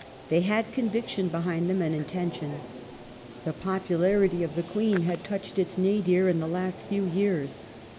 They had conviction behind them and intention. The popularity of the Queen had touched its nadir in the last few years.